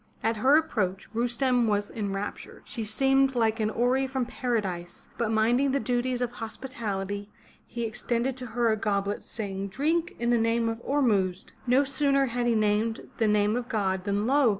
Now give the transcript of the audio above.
At her approach Rustem was enraptured. She seemed like an houri from paradise, but mind ing the duties of hospitality he extended to her a goblet, saying, '* Drink in the name of Ormuzdi.'* No sooner had he named the name of God than lo!